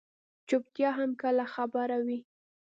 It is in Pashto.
چُپتیا هم کله خبره وي.